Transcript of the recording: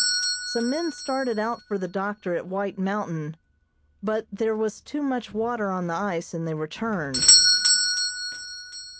Some men started out for the doctor at White Mountain, but there was too much water on the ice, and they returned.